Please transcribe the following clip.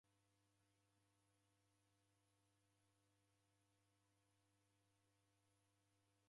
Wadanikaba toe ukakua sidekie